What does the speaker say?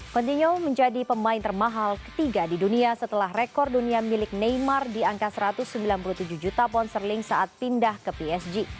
continuo menjadi pemain termahal ketiga di dunia setelah rekor dunia milik neymar di angka satu ratus sembilan puluh tujuh juta pound sterling saat pindah ke psg